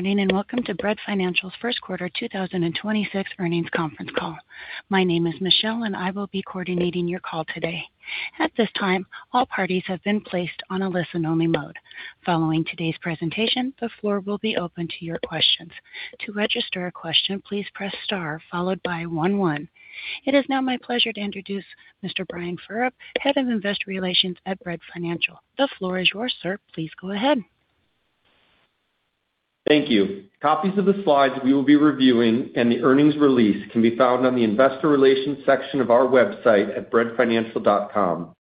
Good morning, and welcome to Bread Financial's first quarter 2026 earnings conference call. My name is Michelle, and I will be coordinating your call today. At this time, all parties have been placed on a listen-only mode. Following today's presentation, the floor will be open to your questions. To register a question, please press star followed by 11. It is now my pleasure to introduce Mr. Brian Vereb, Head of Investor Relations at Bread Financial. The floor is yours, sir. Please go ahead. Thank you. Copies of the slides we will be reviewing and the earnings release can be found on the investor relations section of our website at breadfinancial.com.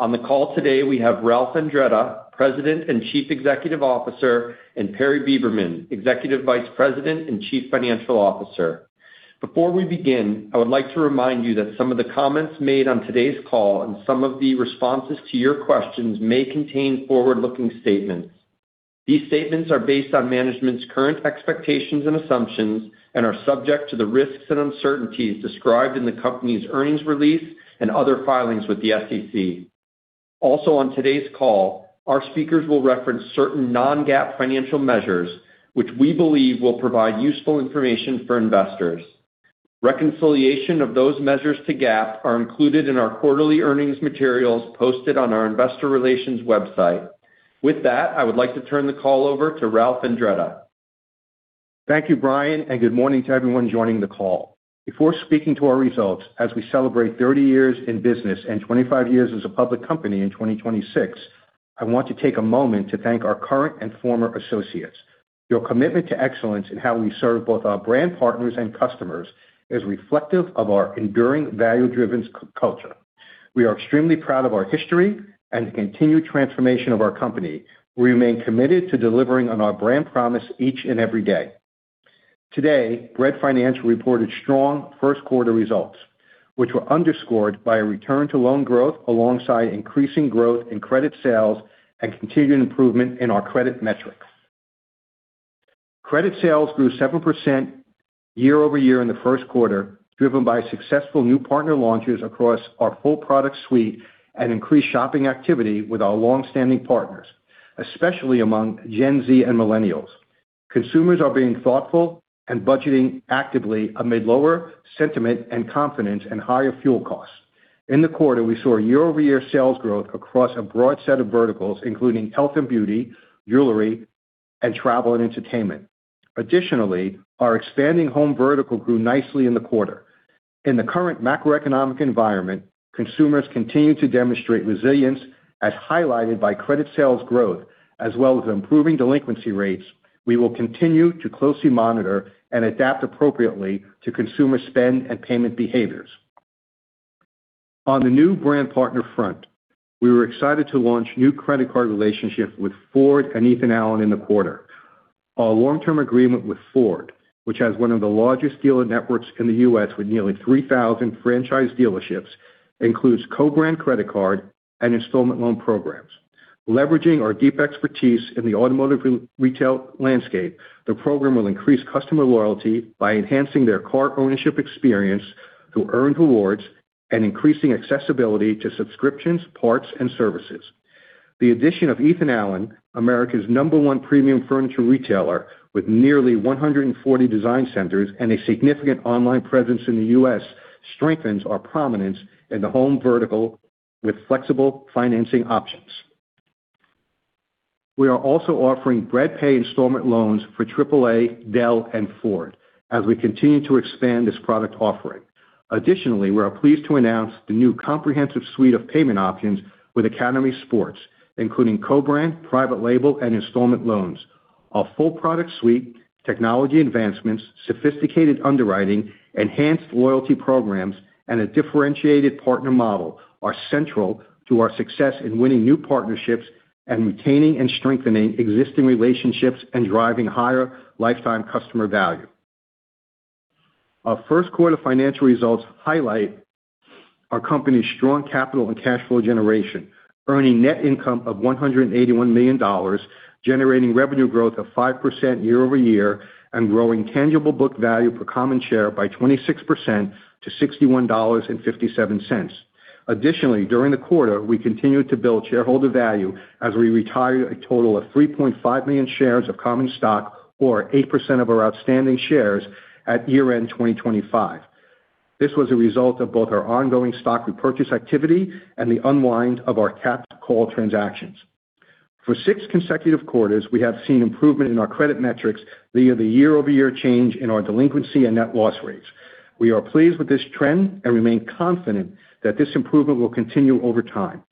On the call today, we have Ralph Andretta, President and Chief Executive Officer, and Perry Beberman, Executive Vice President and Chief Financial Officer. Before we begin, I would like to remind you that some of the comments made on today's call and some of the responses to your questions may contain forward-looking statements. These statements are based on management's current expectations and assumptions and are subject to the risks and uncertainties described in the company's earnings release and other filings with the SEC. Also on today's call, our speakers will reference certain non-GAAP financial measures which we believe will provide useful information for investors. Reconciliation of those measures to GAAP are included in our quarterly earnings materials posted on our investor relations website. With that, I would like to turn the call over to Ralph Andretta. Thank you, Brian, and good morning to everyone joining the call. Before speaking to our results as we celebrate 30 years in business and 25 years as a public company in 2026, I want to take a moment to thank our current and former associates. Your commitment to excellence in how we serve both our brand partners and customers is reflective of our enduring value-driven culture. We are extremely proud of our history and the continued transformation of our company. We remain committed to delivering on our brand promise each and every day. Today, Bread Financial reported strong first-quarter results, which were underscored by a return to loan growth alongside increasing growth in credit sales and continued improvement in our credit metrics. Credit sales grew 7% year-over-year in the first quarter, driven by successful new partner launches across our full product suite and increased shopping activity with our long-standing partners, especially among Gen Z and millennials. Consumers are being thoughtful and budgeting actively amid lower sentiment and confidence in higher fuel costs. In the quarter, we saw year-over-year sales growth across a broad set of verticals, including health and beauty, jewelry, and travel and entertainment. Additionally, our expanding home vertical grew nicely in the quarter. In the current macroeconomic environment, consumers continue to demonstrate resilience, as highlighted by credit sales growth as well as improving delinquency rates. We will continue to closely monitor and adapt appropriately to consumer spend and payment behaviors. On the new brand partner front, we were excited to launch new credit card relationships with Ford and Ethan Allen in the quarter. Our long-term agreement with Ford, which has one of the largest dealer networks in the U.S. with nearly 3,000 franchise dealerships, includes co-brand credit card and installment loan programs. Leveraging our deep expertise in the automotive retail landscape, the program will increase customer loyalty by enhancing their car ownership experience through earned rewards and increasing accessibility to subscriptions, parts, and services. The addition of Ethan Allen, America's number one premium furniture retailer with nearly 140 design centers and a significant online presence in the U.S., strengthens our prominence in the home vertical with flexible financing options. We are also offering Bread Pay installment loans for AAA, Dell, and Ford as we continue to expand this product offering. Additionally, we are pleased to announce the new comprehensive suite of payment options with Academy Sports + Outdoors, including co-brand, private label, and installment loans. Our full product suite, technology advancements, sophisticated underwriting, enhanced loyalty programs, and a differentiated partner model are central to our success in winning new partnerships and maintaining and strengthening existing relationships and driving higher lifetime customer value. Our first quarter financial results highlight our company's strong capital and cash flow generation, earning net income of $181 million, generating revenue growth of 5% year-over-year, and growing tangible book value per common share by 26% to $61.57. Additionally, during the quarter, we continued to build shareholder value as we retired a total of 3.5 million shares of common stock or 8% of our outstanding shares at year-end 2025. This was a result of both our ongoing stock repurchase activity and the unwind of our capped call transactions. For six consecutive quarters, we have seen improvement in our credit metrics via the year-over-year change in our delinquency and net loss rates. We are pleased with this trend and remain confident that this improvement will continue over time.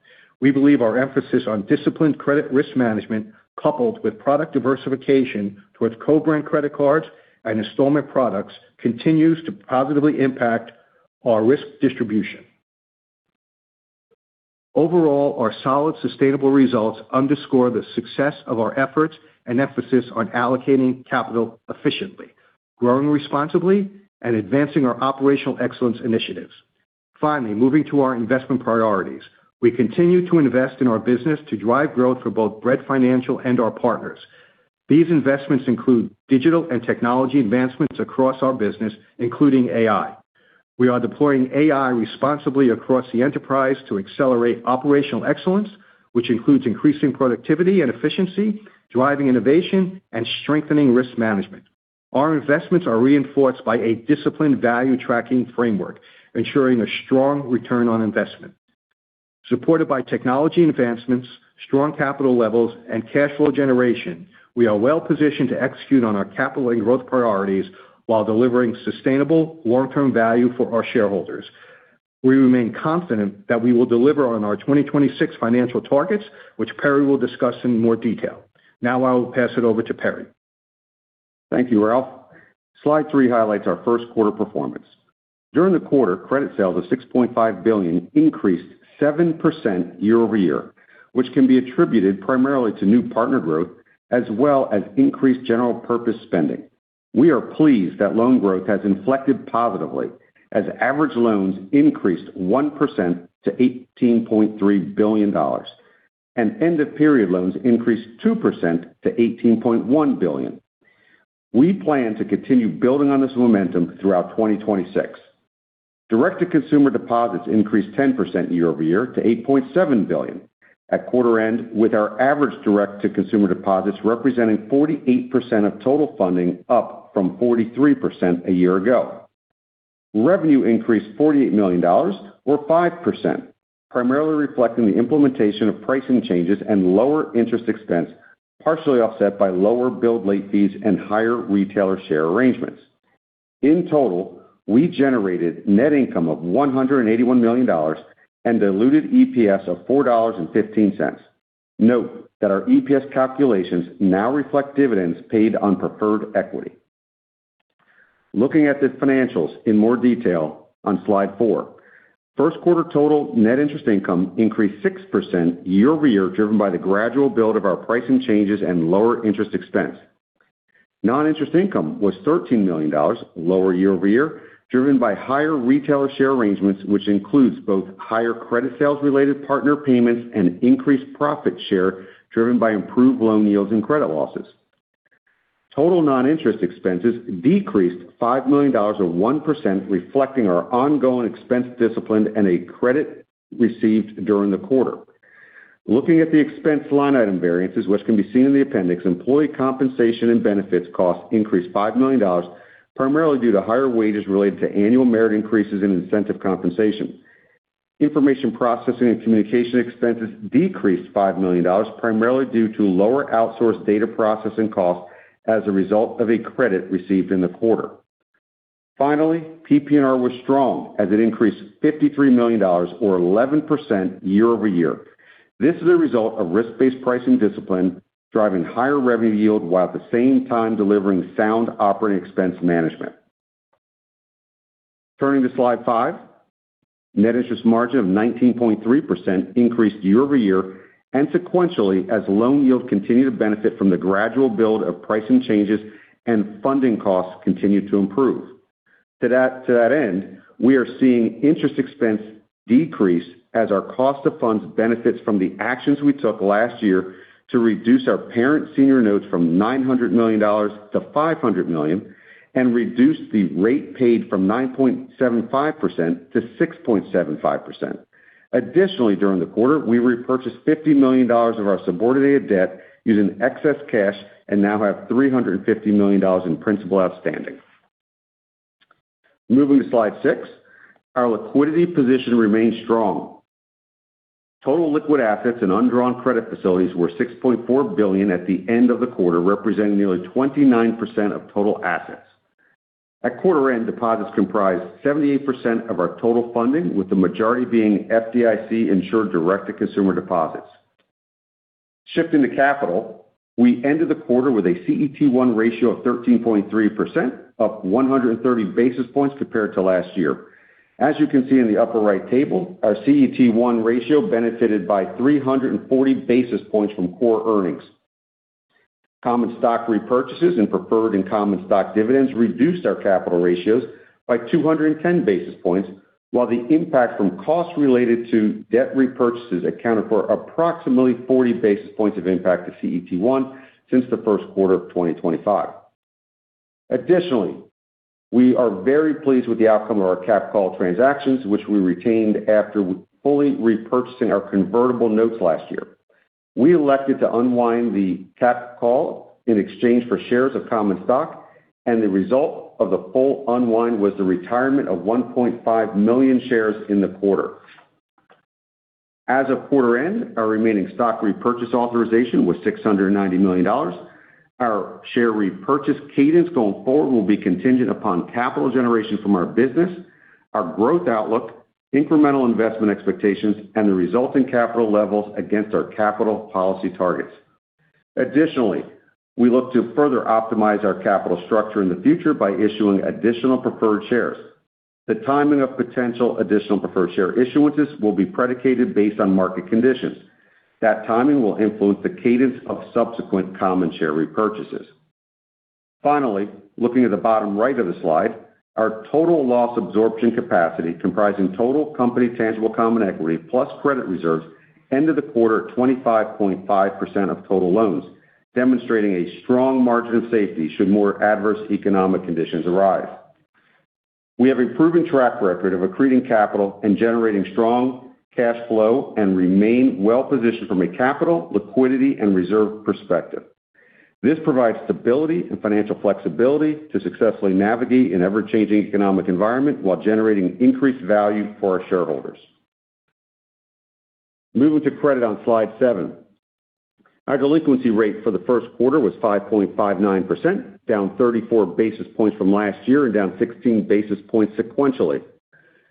We believe our emphasis on disciplined credit risk management, coupled with product diversification towards co-brand credit cards and installment products, continues to positively impact our risk distribution. Overall, our solid, sustainable results underscore the success of our efforts and emphasis on allocating capital efficiently, growing responsibly, and advancing our operational excellence initiatives. Finally, moving to our investment priorities, we continue to invest in our business to drive growth for both Bread Financial and our partners. These investments include digital and technology advancements across our business, including AI. We are deploying AI responsibly across the enterprise to accelerate operational excellence, which includes increasing productivity and efficiency, driving innovation, and strengthening risk management. Our investments are reinforced by a disciplined value-tracking framework, ensuring a strong return on investment. Supported by technology advancements, strong capital levels, and cash flow generation, we are well-positioned to execute on our capital and growth priorities while delivering sustainable long-term value for our shareholders. We remain confident that we will deliver on our 2026 financial targets, which Perry will discuss in more detail. Now I will pass it over to Perry. Thank you, Ralph. Slide 3 highlights our first quarter performance. During the quarter, credit sales of $6.5 billion increased 7% year-over-year, which can be attributed primarily to new partner growth as well as increased general purpose spending. We are pleased that loan growth has inflected positively as average loans increased 1% to $18.3 billion, and end-of-period loans increased 2% to $18.1 billion. We plan to continue building on this momentum throughout 2026. Direct-to-consumer deposits increased 10% year-over-year to $8.7 billion at quarter end, with our average direct-to-consumer deposits representing 48% of total funding, up from 43% a year ago. Revenue increased $48 million, or 5%, primarily reflecting the implementation of pricing changes and lower interest expense, partially offset by lower bill late fees and higher Retail Share Arrangements. In total, we generated net income of $181 million and diluted EPS of $4.15. Note that our EPS calculations now reflect dividends paid on preferred equity. Looking at the financials in more detail on Slide 4. First-quarter total net interest income increased 6% year-over-year, driven by the gradual build of our pricing changes and lower interest expense. Non-interest income was $13 million, lower year-over-year, driven by higher Retail Share Arrangements, which includes both higher credit sales-related partner payments and increased profit share driven by improved loan yields and credit losses. Total non-interest expenses decreased $5 million, or 1%, reflecting our ongoing expense discipline and a credit received during the quarter. Looking at the expense line item variances, which can be seen in the appendix, employee compensation and benefits costs increased $5 million, primarily due to higher wages related to annual merit increases in incentive compensation. Information processing and communication expenses decreased $5 million, primarily due to lower outsourced data processing costs as a result of a credit received in the quarter. Finally, PPNR was strong as it increased $53 million or 11% year-over-year. This is a result of risk-based pricing discipline, driving higher revenue yield while at the same time delivering sound operating expense management. Turning to Slide 5. Net interest margin of 19.3% increased year-over-year and sequentially as loan yield continued to benefit from the gradual build of pricing changes and funding costs continued to improve. To that end, we are seeing interest expense decrease as our cost of funds benefits from the actions we took last year to reduce our parent senior notes from $900 million-$500 million and reduce the rate paid from 9.75%-6.75%. Additionally, during the quarter, we repurchased $50 million of our subordinated debt using excess cash and now have $350 million in principal outstanding. Moving to Slide six. Our liquidity position remains strong. Total liquid assets and undrawn credit facilities were $6.4 billion at the end of the quarter, representing nearly 29% of total assets. At quarter end, deposits comprised 78% of our total funding, with the majority being FDIC-insured direct-to-consumer deposits. Shifting to capital, we ended the quarter with a CET1 ratio of 13.3%, up 130 basis points compared to last year. As you can see in the upper right table, our CET1 ratio benefited by 340 basis points from core earnings. Common stock repurchases and preferred and common stock dividends reduced our capital ratios by 210 basis points, while the impact from costs related to debt repurchases accounted for approximately 40 basis points of impact to CET1 since the first quarter of 2025. Additionally, we are very pleased with the outcome of our capped call transactions, which we retained after fully repurchasing our convertible notes last year. We elected to unwind the capped call in exchange for shares of common stock, and the result of the full unwind was the retirement of 1.5 million shares in the quarter. As of quarter end, our remaining stock repurchase authorization was $690 million. Our share repurchase cadence going forward will be contingent upon capital generation from our business, our growth outlook, incremental investment expectations, and the resulting capital levels against our capital policy targets. Additionally, we look to further optimize our capital structure in the future by issuing additional preferred shares. The timing of potential additional preferred share issuances will be predicated based on market conditions. That timing will influence the cadence of subsequent common share repurchases. Finally, looking at the bottom right of the slide, our total loss absorption capacity, comprising total company tangible common equity plus credit reserves, ended the quarter at 25.5% of total loans, demonstrating a strong margin of safety should more adverse economic conditions arise. We have a proven track record of accreting capital and generating strong cash flow and remain well-positioned from a capital, liquidity, and reserve perspective. This provides stability and financial flexibility to successfully navigate an ever-changing economic environment while generating increased value for our shareholders. Moving to credit on slide 7. Our delinquency rate for the first quarter was 5.59%, down 34 basis points from last year and down 16 basis points sequentially.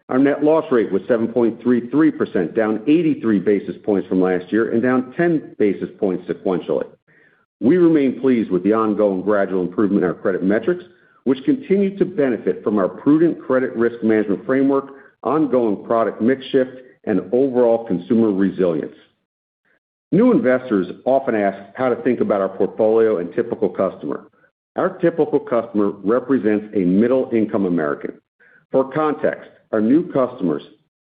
Our net loss rate was 7.33%, down 83 basis points from last year and down 10 basis points sequentially. We remain pleased with the ongoing gradual improvement in our credit metrics, which continue to benefit from our prudent credit risk management framework, ongoing product mix shift, and overall consumer resilience. New investors often ask how to think about our portfolio and typical customer. Our typical customer represents a middle-income American. For context, our new customers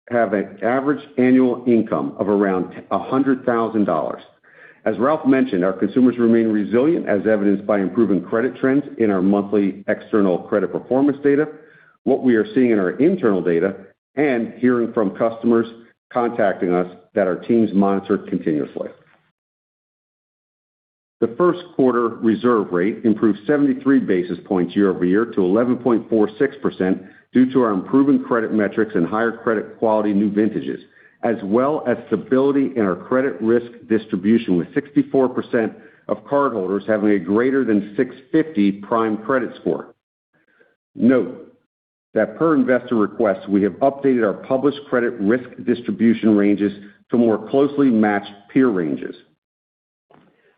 have an average annual income of around $100,000. As Ralph mentioned, our consumers remain resilient as evidenced by improving credit trends in our monthly external credit performance data, what we are seeing in our internal data, and hearing from customers contacting us that our teams monitor continuously. The first quarter reserve rate improved 73 basis points year-over-year to 11.46% due to our improving credit metrics and higher credit quality new vintages, as well as stability in our credit risk distribution, with 64% of cardholders having a greater than 650 prime credit score. Note that per investor request, we have updated our published credit risk distribution ranges to more closely match peer ranges.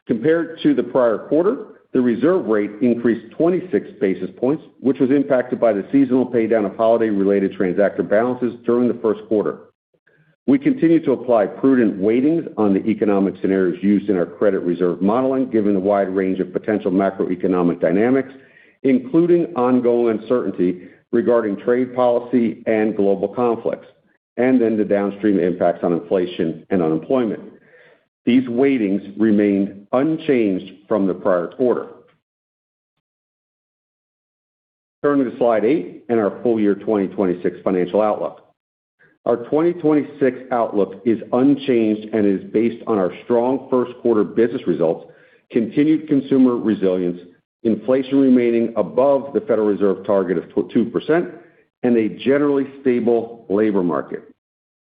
Compared to the prior quarter, the reserve rate increased 26 basis points, which was impacted by the seasonal pay-down of holiday-related transactor balances during the first quarter. We continue to apply prudent weightings on the economic scenarios used in our credit reserve modeling, given the wide range of potential macroeconomic dynamics, including ongoing uncertainty regarding trade policy and global conflicts, and then the downstream impacts on inflation and unemployment. These weightings remained unchanged from the prior quarter. Turning to Slide 8 and our full-year 2026 financial outlook. Our 2026 outlook is unchanged and is based on our strong first quarter business results, continued consumer resilience, inflation remaining above the Federal Reserve target of 2%, and a generally stable labor market.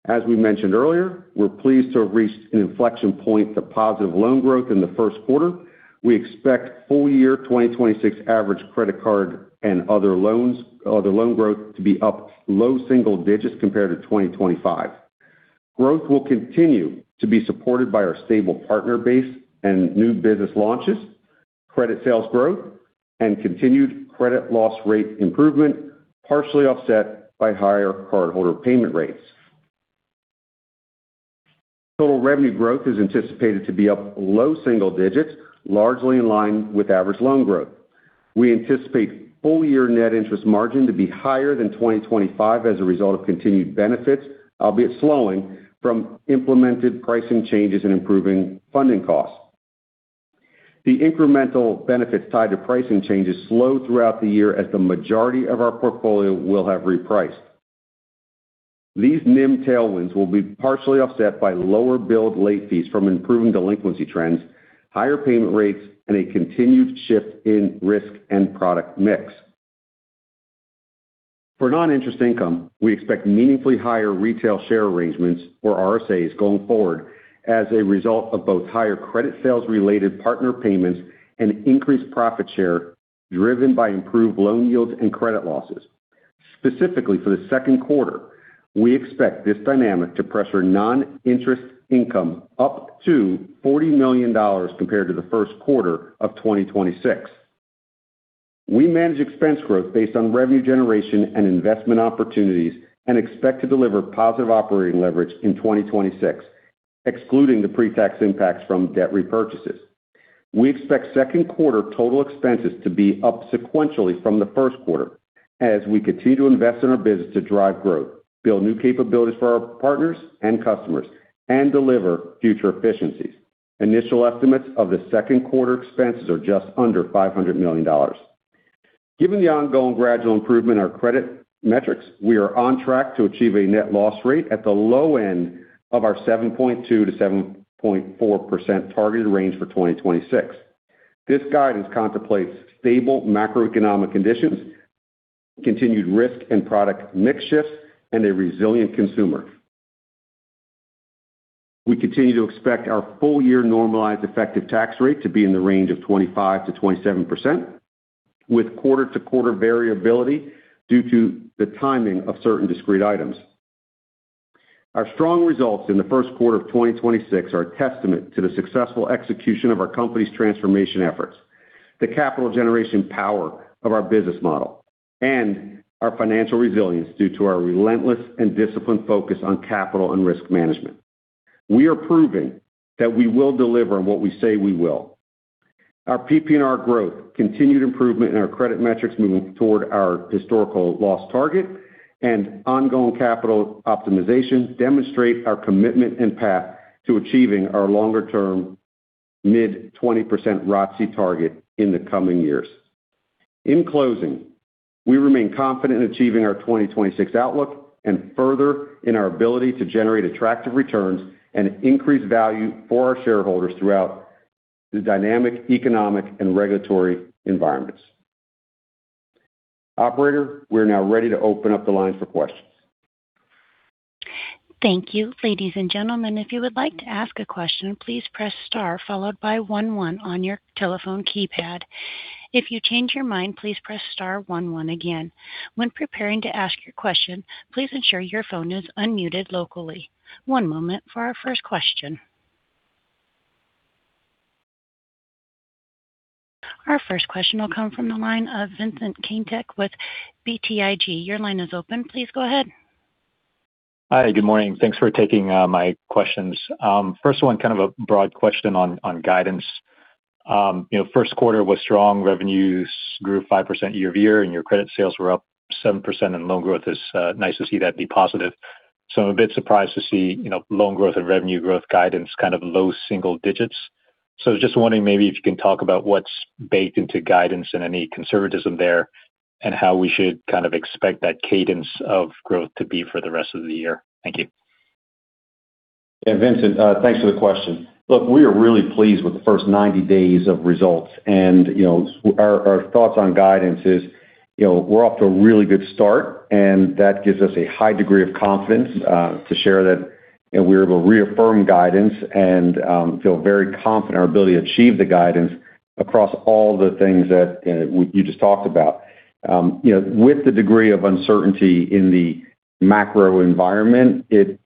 As we mentioned earlier, we're pleased to have reached an inflection point to positive loan growth in the first quarter. We expect full-year 2026 average credit card and other loan growth to be up low single digits compared to 2025. Growth will continue to be supported by our stable partner base and new business launches, credit sales growth, and continued credit loss rate improvement, partially offset by higher cardholder payment rates. Total revenue growth is anticipated to be up low single digits, largely in line with average loan growth. We anticipate full-year net interest margin to be higher than 2025 as a result of continued benefits, albeit slowing, from implemented pricing changes and improving funding costs. The incremental benefits tied to pricing changes slow throughout the year as the majority of our portfolio will have repriced. These NIM tailwinds will be partially offset by lower billed late fees from improving delinquency trends, higher payment rates, and a continued shift in risk and product mix. For non-interest income, we expect meaningfully higher Retail Share Arrangements or RSAs going forward as a result of both higher credit sales-related partner payments and increased profit share driven by improved loan yields and credit losses. Specifically for the second quarter, we expect this dynamic to pressure non-interest income up to $40 million compared to the first quarter of 2026. We manage expense growth based on revenue generation and investment opportunities and expect to deliver positive operating leverage in 2026, excluding the pre-tax impacts from debt repurchases. We expect second quarter total expenses to be up sequentially from the first quarter as we continue to invest in our business to drive growth, build new capabilities for our partners and customers, and deliver future efficiencies. Initial estimates of the second quarter expenses are just under $500 million. Given the ongoing gradual improvement in our credit metrics, we are on track to achieve a net loss rate at the low end of our 7.2%-7.4% targeted range for 2026. This guidance contemplates stable macroeconomic conditions, continued risk and product mix shifts, and a resilient consumer. We continue to expect our full-year normalized effective tax rate to be in the range of 25%-27%, with quarter-to-quarter variability due to the timing of certain discrete items. Our strong results in the first quarter of 2026 are a testament to the successful execution of our company's transformation efforts, the capital generation power of our business model, and our financial resilience due to our relentless and disciplined focus on capital and risk management. We are proving that we will deliver on what we say we will. Our PPNR growth, continued improvement in our credit metrics moving toward our historical loss target, and ongoing capital optimization demonstrate our commitment and path to achieving our longer-term mid-20% ROTCE target in the coming years. In closing, we remain confident in achieving our 2026 outlook and further in our ability to generate attractive returns and increase value for our shareholders throughout the dynamic economic and regulatory environments. Operator, we're now ready to open up the line for questions. Thank you. Ladies and gentlemen, if you would like to ask a question, please press star followed by one one on your telephone keypad. If you change your mind, please press star one one again. When preparing to ask your question, please ensure your phone is unmuted locally. One moment for our first question. Our first question will come from the line of Vincent Caintic with BTIG. Your line is open. Please go ahead. Hi. Good morning. Thanks for taking my questions. First one, kind of a broad question on guidance. First quarter was strong. Revenues grew 5% year-over-year, and your credit sales were up 7%, and loan growth is nice to see that be positive. I'm a bit surprised to see loan growth and revenue growth guidance low single digits. Just wondering maybe if you can talk about what's baked into guidance and any conservatism there, and how we should kind of expect that cadence of growth to be for the rest of the year. Thank you. Yeah, Vincent, thanks for the question. Look, we are really pleased with the first 90 days of results. Our thoughts on guidance is we're off to a really good start, and that gives us a high degree of confidence to share that we're able to reaffirm guidance and feel very confident in our ability to achieve the guidance across all the things that you just talked about. With the degree of uncertainty in the macro environment, it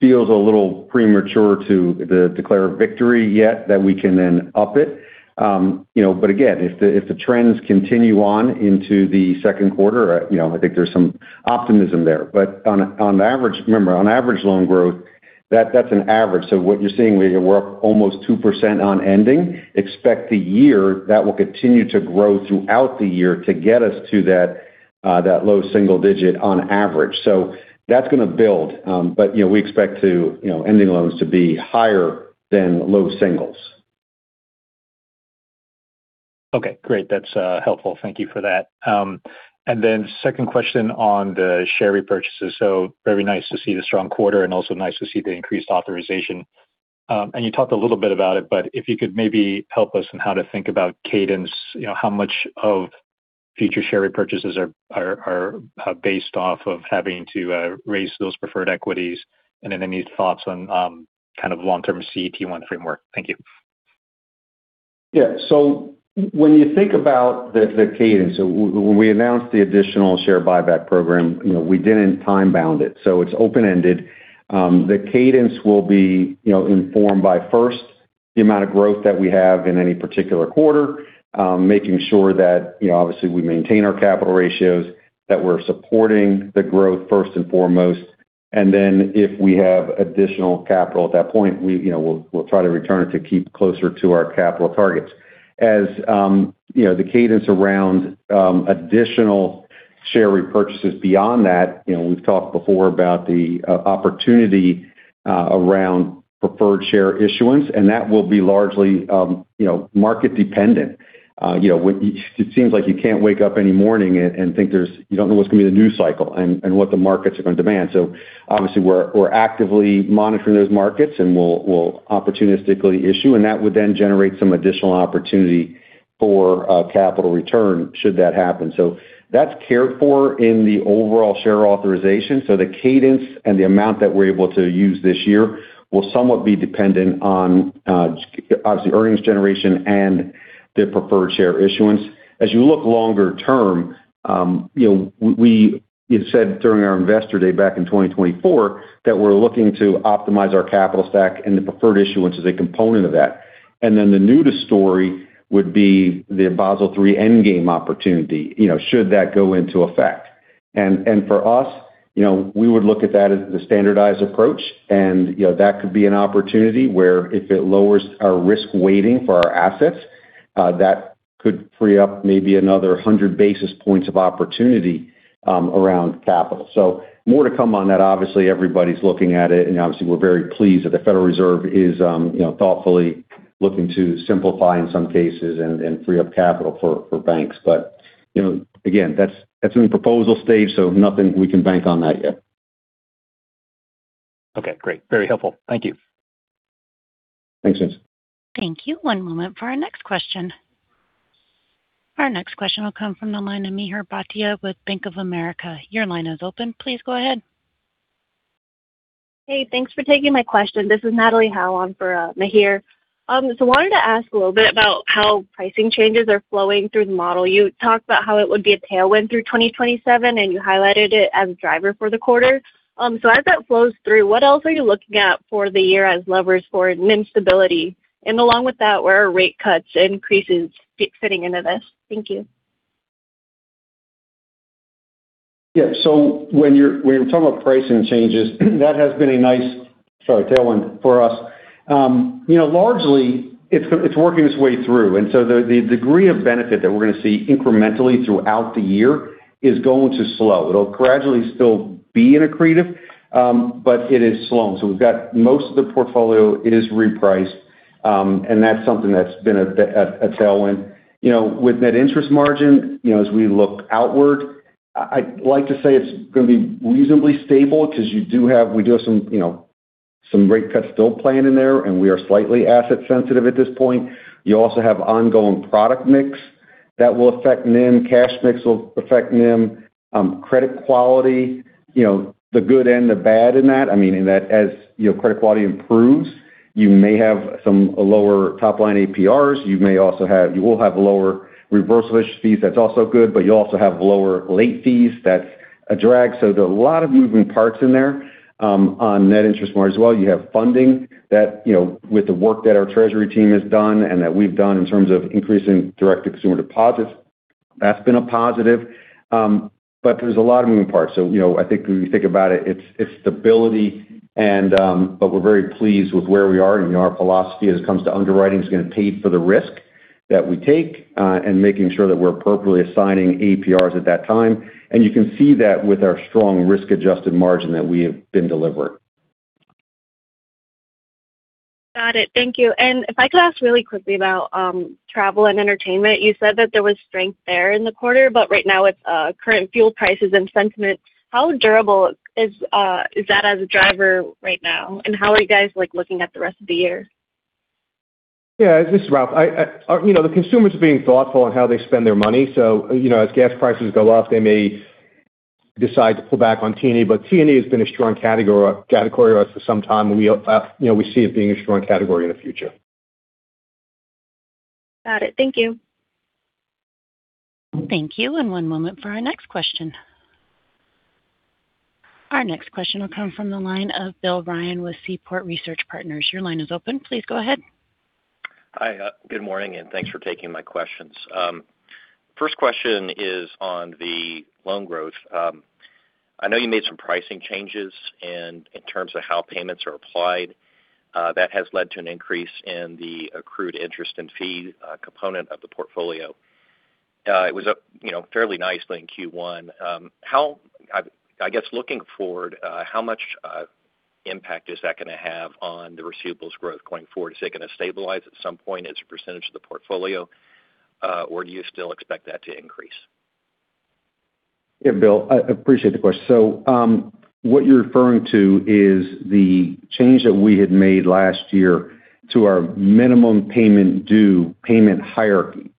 feels a little premature to declare a victory yet that we can then up it. Again, if the trends continue on into the second quarter, I think there's some optimism there. Remember, on average loan growth, that's an average. What you're seeing, we're up almost 2% on ending. Expect the year that will continue to grow throughout the year to get us to that low single digit on average. That's going to build. We expect ending loans to be higher than low singles. Okay, great. That's helpful. Thank you for that. Second question on the share repurchases. Very nice to see the strong quarter and also nice to see the increased authorization. You talked a little bit about it, but if you could maybe help us on how to think about cadence, how much of future share repurchases are based off of having to raise those preferred equities? Any thoughts on kind of long-term CET1 framework? Thank you. Yeah. When you think about the cadence, when we announced the additional share buyback program, we didn't time-bound it. It's open-ended. The cadence will be informed by first, the amount of growth that we have in any particular quarter, making sure that obviously we maintain our capital ratios, that we're supporting the growth first and foremost, and then if we have additional capital at that point, we'll try to return it to keep closer to our capital targets. As the cadence around additional share repurchases beyond that, we've talked before about the opportunity around preferred share issuance, and that will be largely market-dependent. It seems like you can't wake up any morning and you don't know what's going to be the news cycle and what the markets are going to demand. Obviously, we're actively monitoring those markets, and we'll opportunistically issue, and that would then generate some additional opportunity for capital return should that happen. That's cared for in the overall share authorization. The cadence and the amount that we're able to use this year will somewhat be dependent on obviously earnings generation and the preferred share issuance. As you look longer term, we said during our investor day back in 2024 that we're looking to optimize our capital stack, and the preferred issuance is a component of that. The newest story would be the Basel III endgame opportunity should that go into effect. For us, we would look at that as the standardized approach, and that could be an opportunity where if it lowers our risk weighting for our assets, that could free up maybe another 100 basis points of opportunity around capital. More to come on that. Obviously, everybody's looking at it, and obviously, we're very pleased that the Federal Reserve is thoughtfully looking to simplify in some cases and free up capital for banks. Again, that's in proposal stage, so nothing we can bank on that yet. Okay, great. Very helpful. Thank you. Thanks, Vincent. Thank you. One moment for our next question. Our next question will come from the line of Mihir Bhatia with Bank of America. Your line is open. Please go ahead. Hey, thanks for taking my question. This is Natalia Halon for Mihir. Wanted to ask a little bit about how pricing changes are flowing through the model. You talked about how it would be a tailwind through 2027, and you highlighted it as a driver for the quarter. As that flows through, what else are you looking at for the year as levers for NIM stability? Along with that, where are rate cuts increases fitting into this? Thank you. Yeah. When you're talking about pricing changes, that has been a nice, sorry, tailwind for us. Largely, it's working its way through, and so the degree of benefit that we're going to see incrementally throughout the year is going to slow. It'll gradually still be in accretive, but it is slowing. We've got most of the portfolio, it is repriced. That's something that's been a tailwind. With net interest margin, as we look outward, I'd like to say it's going to be reasonably stable because we do have some rate cuts still playing in there, and we are slightly asset sensitive at this point. You also have ongoing product mix that will affect NIM. Cash mix will affect NIM. Credit quality, the good and the bad in that. I mean, in that as credit quality improves, you may have some lower top-line APRs. You will have lower reversal issue fees. That's also good, but you'll also have lower late fees. That's a drag. There are a lot of moving parts in there. On net interest margin as well, you have funding that, with the work that our treasury team has done and that we've done in terms of increasing direct-to-consumer deposits, that's been a positive. There's a lot of moving parts. I think when you think about it's stability, but we're very pleased with where we are. Our philosophy as it comes to underwriting is going to pay for the risk that we take, and making sure that we're appropriately assigning APRs at that time. You can see that with our strong risk-adjusted margin that we have been delivering. Got it. Thank you. If I could ask really quickly about travel and entertainment. You said that there was strength there in the quarter, but right now with current fuel prices and sentiment, how durable is that as a driver right now, and how are you guys looking at the rest of the year? Yeah. This is Ralph. The consumer's being thoughtful on how they spend their money. As gas prices go up, they may decide to pull back on T&E. T&E has been a strong category of ours for some time, and we see it being a strong category in the future. Got it. Thank you. Thank you. One moment for our next question. Our next question will come from the line of Bill Ryan with Seaport Research Partners. Your line is open. Please go ahead. Hi. Good morning, and thanks for taking my questions. First question is on the loan growth. I know you made some pricing changes, and in terms of how payments are applied, that has led to an increase in the accrued interest and fee component of the portfolio. It was up fairly nicely in Q1. I guess looking forward, how much impact is that going to have on the receivables growth going forward? Is it going to stabilize at some point as a percentage of the portfolio? Or do you still expect that to increase? Yeah, Bill, I appreciate the question. What you're referring to is the change that we had made last year to our minimum payment due payment hierarchy.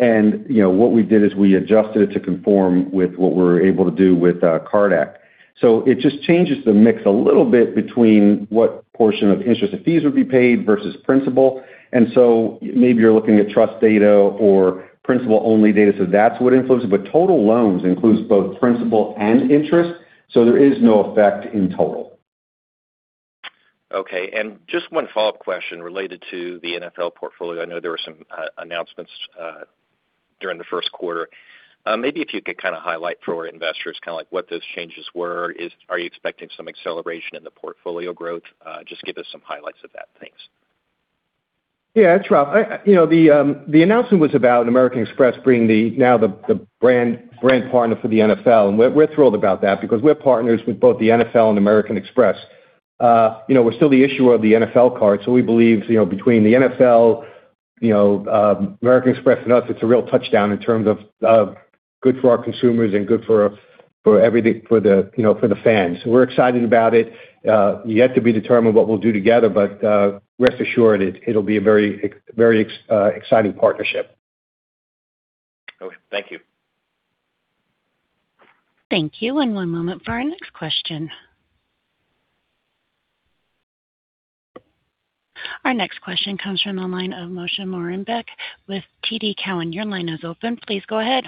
What we did is we adjusted it to conform with what we're able to do with CARD Act. It just changes the mix a little bit between what portion of interest and fees would be paid versus principal. Maybe you're looking at trust data or principal-only data, so that's what influences. Total loans includes both principal and interest, so there is no effect in total. Okay. Just one follow-up question related to the NFL portfolio. I know there were some announcements during the first quarter. Maybe if you could kind of highlight for investors what those changes were. Are you expecting some acceleration in the portfolio growth? Just give us some highlights of that. Thanks. Yeah. It's Ralph. The announcement was about American Express being now the brand partner for the NFL, and we're thrilled about that because we're partners with both the NFL and American Express. We're still the issuer of the NFL card, so we believe between the NFL, American Express, and us, it's a real touchdown in terms of good for our consumers and good for the fans. We're excited about it. Yet to be determined what we'll do together, but rest assured it'll be a very exciting partnership. Okay. Thank you. Thank you. One moment for our next question. Our next question comes from the line of Moshe Orenbuch with TD Cowen. Your line is open. Please go ahead.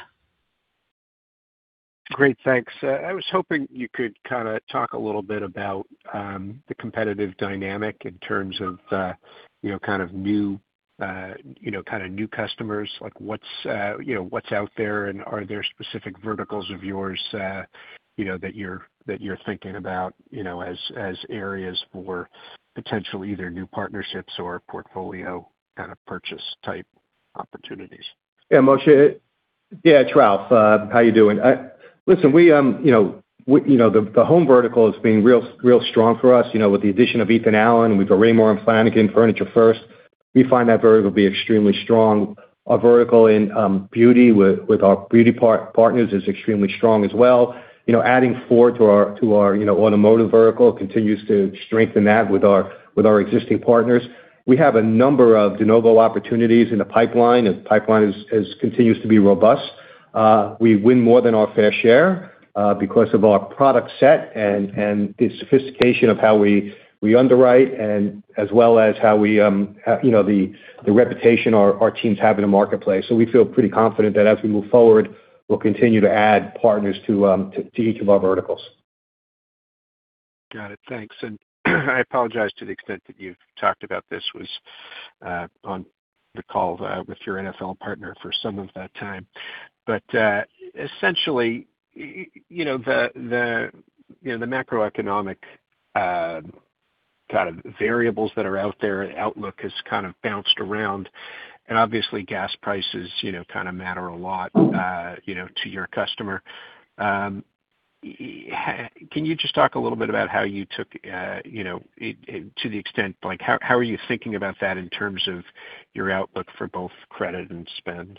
Great. Thanks. I was hoping you could kind of talk a little bit about the competitive dynamic in terms of kind of new customers. What's out there, and are there specific verticals of yours that you're thinking about as areas for potentially either new partnerships or portfolio kind of purchase type opportunities? Yeah, Moshe. Yeah, it's Ralph. How you doing? Listen, the home vertical has been real strong for us with the addition of Ethan Allen. We've got Raymour & Flanigan, Furniture First. We find that vertical to be extremely strong. Our vertical in beauty with our beauty partners is extremely strong as well. Adding Ford to our automotive vertical continues to strengthen that with our existing partners. We have a number of de novo opportunities in the pipeline. The pipeline continues to be robust. We win more than our fair share because of our product set and the sophistication of how we underwrite and as well as the reputation our teams have in the marketplace. We feel pretty confident that as we move forward, we'll continue to add partners to each of our verticals. Got it. Thanks. I apologize to the extent that you talked about this was on the call with your NFL partner for some of that time. Essentially, the macroeconomic kind of variables that are out there, outlook has kind of bounced around. Obviously gas prices kind of matter a lot to your customer. Can you just talk a little bit about to the extent, how are you thinking about that in terms of your outlook for both credit and spend?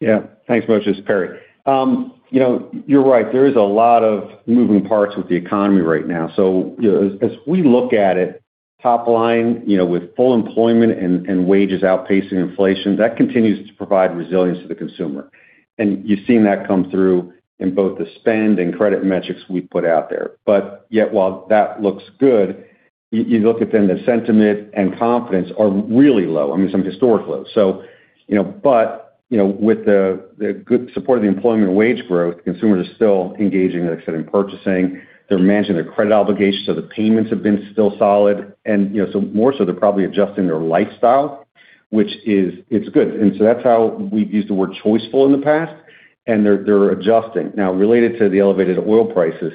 Yeah. Thanks much. This is Perry. You're right. There is a lot of moving parts with the economy right now. As we look at it, top line with full employment and wages outpacing inflation, that continues to provide resilience to the consumer. You've seen that come through in both the spend and credit metrics we put out there. Yet, while that looks good, you look at then the sentiment and confidence are really low, some historic lows. With the good support of the employment wage growth, consumers are still engaging, like I said, in purchasing. They're managing their credit obligations, so the payments have been still solid. More so they're probably adjusting their lifestyle, which is good. That's how we've used the word choiceful in the past, and they're adjusting. Now, related to the elevated oil prices,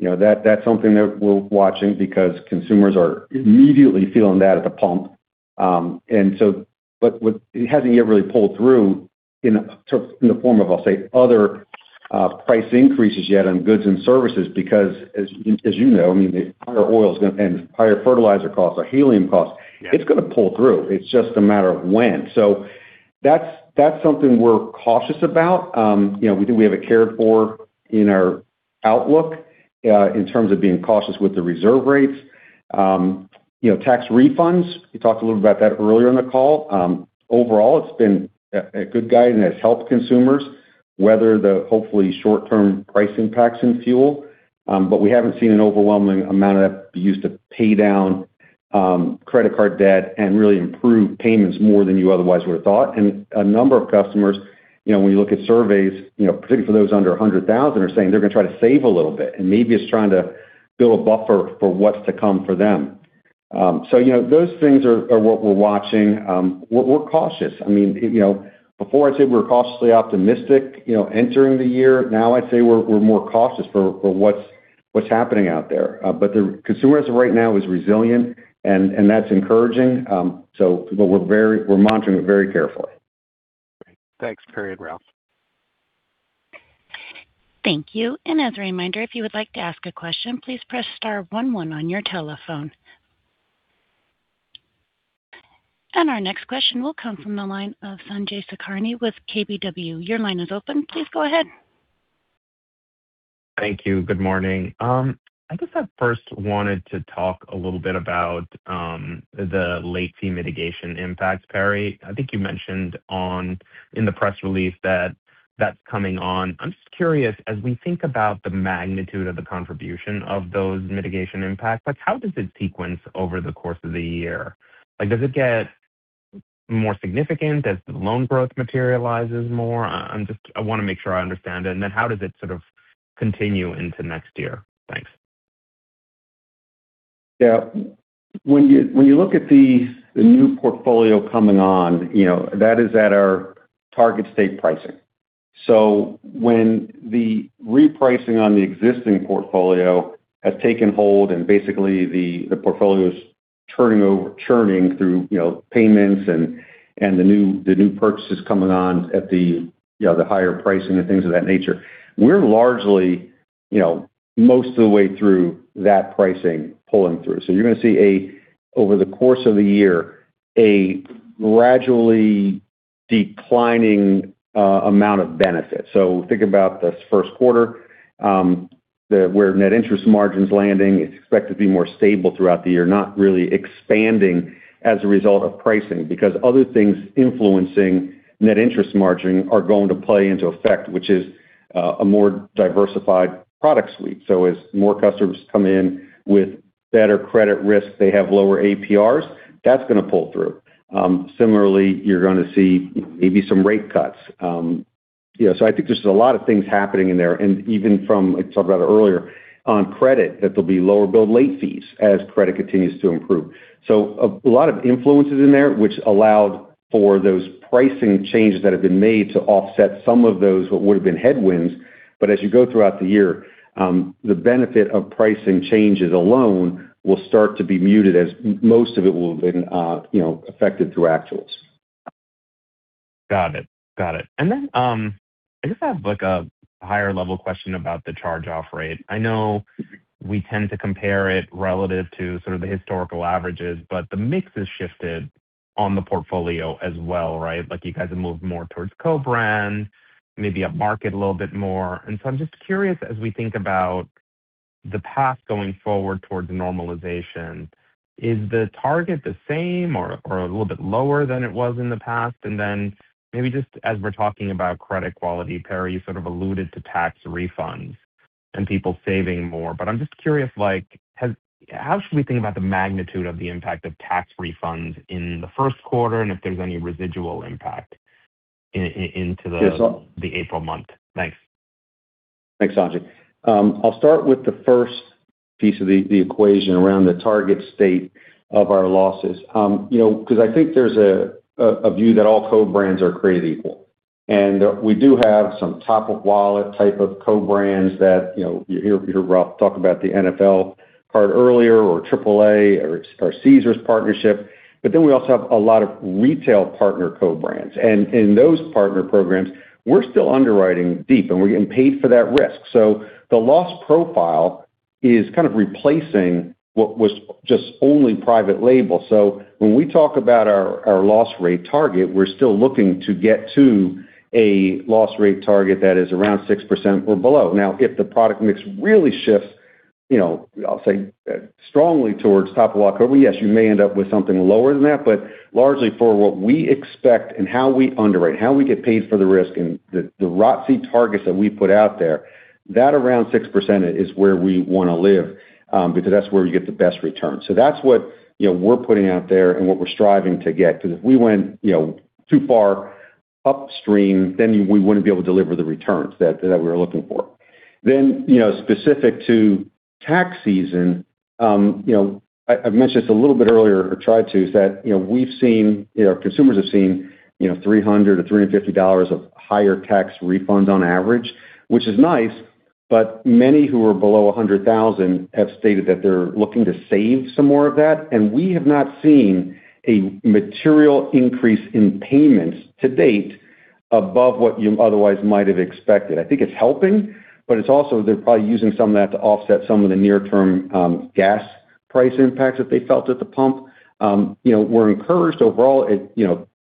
that's something that we're watching because consumers are immediately feeling that at the pump. It hasn't yet really pulled through in the form of, I'll say, other price increases yet on goods and services, because as you know, the higher oil and higher fertilizer costs or helium costs. Yeah It's going to pull through. It's just a matter of when. That's something we're cautious about. We think we have it covered in our outlook in terms of being cautious with the reserve rates. Tax refunds, we talked a little about that earlier in the call. Overall, it's been a good guide, and it's helped consumers weather the hopefully short-term price impacts in fuel. We haven't seen an overwhelming amount of that be used to pay down credit card debt and really improve payments more than you otherwise would've thought. A number of customers, when you look at surveys, particularly for those under 100,000, are saying they're going to try to save a little bit, and maybe it's trying to build a buffer for what's to come for them. Those things are what we're watching. We're cautious. Before, I'd say we're cautiously optimistic entering the year. Now I'd say we're more cautious for what's happening out there. The consumer as of right now is resilient, and that's encouraging. We're monitoring it very carefully. Great. Thanks, Perry and Ralph. Thank you. As a reminder, if you would like to ask a question, please press star one one on your telephone. Our next question will come from the line of Sanjay Sakhrani with KBW. Your line is open. Please go ahead. Thank you. Good morning. I guess I first wanted to talk a little bit about the late fee mitigation impact. Perry, I think you mentioned in the press release that that's coming on. I'm just curious, as we think about the magnitude of the contribution of those mitigation impacts, how does it sequence over the course of the year? Does it get more significant as the loan growth materializes more? I want to make sure I understand it. How does it sort of continue into next year? Thanks. Yeah. When you look at the new portfolio coming on, that is at our target state pricing. When the repricing on the existing portfolio has taken hold and basically the portfolio's churning through payments and the new purchases coming on at the higher pricing and things of that nature, we're largely most of the way through that pricing pulling through. You're going to see, over the course of the year, a gradually declining amount of benefit. Think about this first quarter, where net interest margin's landing. It's expected to be more stable throughout the year, not really expanding as a result of pricing, because other things influencing net interest margin are going to play into effect, which is a more diversified product suite. As more customers come in with better credit risk, they have lower APRs. That's going to pull through. Similarly, you're going to see maybe some rate cuts. I think there's a lot of things happening in there, and even from I talked about it earlier, on credit, that there'll be lower bill late fees as credit continues to improve. A lot of influences in there which allowed for those pricing changes that have been made to offset some of those what would have been headwinds. As you go throughout the year, the benefit of pricing changes alone will start to be muted, as most of it will have been affected through actuals. Got it. I guess I have a higher-level question about the charge-off rate. I know we tend to compare it relative to sort of the historical averages, but the mix has shifted on the portfolio as well, right? You guys have moved more towards co-brand, maybe upmarket a little bit more. I'm just curious, as we think about the path going forward towards normalization, is the target the same or a little bit lower than it was in the past? Maybe just as we're talking about credit quality, Perry, you sort of alluded to tax refunds and people saving more. I'm just curious, how should we think about the magnitude of the impact of tax refunds in the first quarter and if there's any residual impact into the- Yes... the April month? Thanks. Thanks, Sanjay. I'll start with the first piece of the equation around the target state of our losses because I think there's a view that all co-brands are created equal. We do have some top-of-wallet type of co-brands. You hear Ralph talk about the NFL card earlier or AAA or Caesars partnership. We also have a lot of retail partner co-brands. In those partner programs, we're still underwriting deep, and we're getting paid for that risk. The loss profile is kind of replacing what was just only private label. When we talk about our loss rate target, we're still looking to get to a loss rate target that is around 6% or below. Now, if the product mix really shifts, I'll say strongly towards top-of-wallet co-brand, yes, you may end up with something lower than that, but largely for what we expect and how we underwrite, how we get paid for the risk and the ROTCE targets that we put out there, that around 6% is where we want to live, because that's where we get the best return. That's what we're putting out there and what we're striving to get. Because if we went too far upstream, then we wouldn't be able to deliver the returns that we're looking for. Specific to tax season, I've mentioned this a little bit earlier, or tried to, is that our consumers have seen $300-$350 of higher tax refunds on average, which is nice, but many who are below 100,000 have stated that they're looking to save some more of that. We have not seen a material increase in payments to date above what you otherwise might have expected. I think it's helping, but it's also, they're probably using some of that to offset some of the near term gas price impacts that they felt at the pump. We're encouraged overall.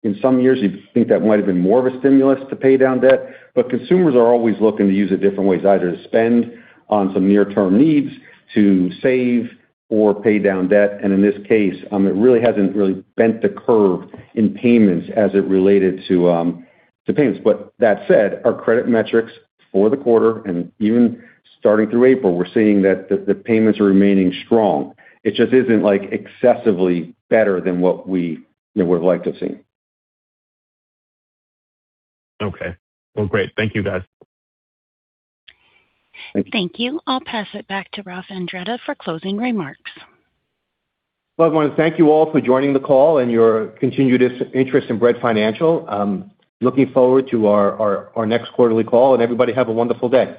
In some years, you'd think that might have been more of a stimulus to pay down debt, but consumers are always looking to use it different ways, either to spend on some near-term needs, to save or pay down debt. In this case, it really hasn't bent the curve in payments as it related to payments. That said, our credit metrics for the quarter and even starting through April, we're seeing that the payments are remaining strong. It just isn't excessively better than what we would've liked to have seen. Okay. Well, great. Thank you, guys. Thank you. I'll pass it back to Ralph Andretta for closing remarks. Well, I want to thank you all for joining the call and your continued interest in Bread Financial. Looking forward to our next quarterly call, and everybody have a wonderful day.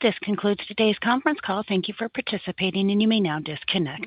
This concludes today's conference call. Thank you for participating, and you may now disconnect.